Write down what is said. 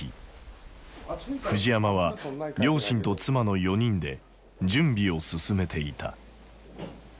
藤山は両親と妻の４人で準備を進めていた。